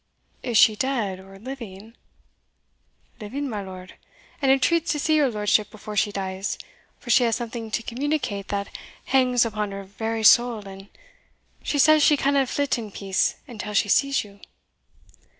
Is she dead or living?" "Living, my lord; and entreats to see your lordship before she dies, for she has something to communicate that hangs upon her very soul, and she says she canna flit in peace until she sees you."